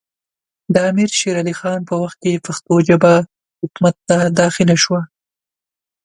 د امیر شېر علي خان په وخت کې پښتو ژبه حکومت ته داخله سوه